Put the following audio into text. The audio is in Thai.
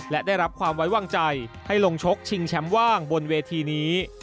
และได้รับความไว้วางใจให้ลงชกชิงแชมป์ว่างบนเวทีนี้